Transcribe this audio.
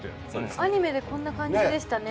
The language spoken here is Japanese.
アニメでこんな感じでしたね。